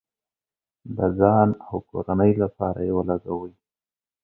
د ځان او کورنۍ لپاره یې ولګوئ.